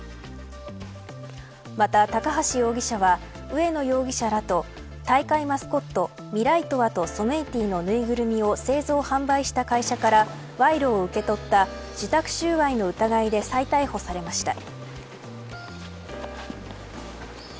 また、高橋容疑者は植野容疑者らと大会マスコットミライトワとソメイティのぬいぐるみを製造・販売した会社から賄賂を受け取った受託収賄の疑いで再逮捕されました。